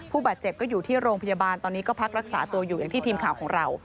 ผู้บาดเจ็บก็อยู่ที่โรงพยาบาลตอนนี้ก็พักรักษาตัวอยู่อย่างที่ทีมข่าวของเรา